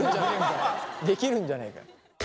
できるんじゃねえかよ。